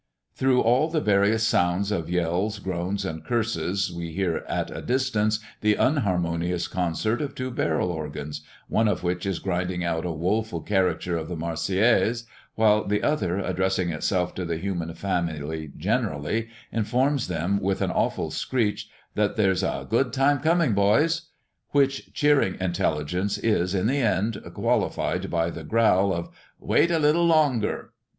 Through all the various sounds of yells, groans, and curses, we hear at a distance the unharmonious concert of two barrel organs, one of which is grinding out a woful caricature of the Marseillaise, while the other, addressing itself to the human family generally, informs them, with an awful screech, that "There's a good time coming, boys," which cheering intelligence is, in the end, qualified by the growl of "Wait a little longer."